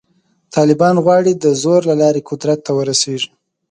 طالبان غواړي د زور له لارې قدرت ته ورسېږي.